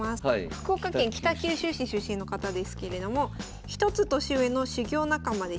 福岡県北九州市出身の方ですけれども１つ年上の修業仲間でした。